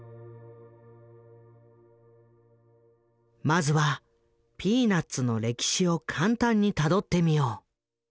まずは「ピーナッツ」の歴史を簡単にたどってみよう。